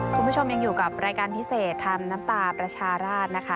คุณผู้ชมยังอยู่กับรายการพิเศษทำน้ำตาประชาราชนะคะ